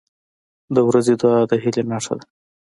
• د ورځې دعا د هیلې نښه ده.